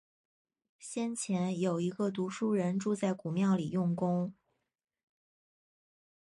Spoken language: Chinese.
先前，有一个读书人住在古庙里用功